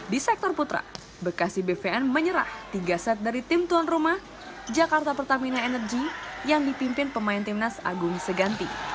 di sektor putra bekasi bvn menyerah tiga set dari tim tuan rumah jakarta pertamina energy yang dipimpin pemain timnas agung seganti